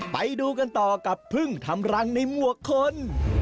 ไปดูกันต่อกับพึ่งทำรังในหมวกคน